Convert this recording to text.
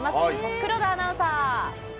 黒田アナウンサー。